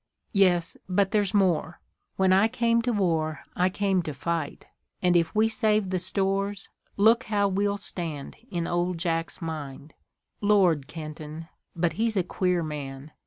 "Yes, but there's more. When I came to war I came to fight. And if we save the stores look how we'll stand in Old Jack's mind. Lord, Kenton, but he's a queer man!